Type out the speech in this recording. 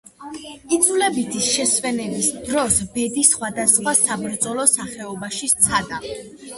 იძულებითი შესვენების დროს ბედი სხვადასხვა საბრძოლო სახეობაში სცადა.